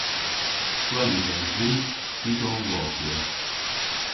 Gwell yw genen vy dy'gol rosya.